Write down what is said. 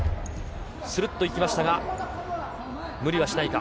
するっといきましたが、無理はしないか。